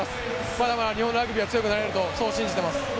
まだまだ日本ラグビーは強くなれると、そう信じています。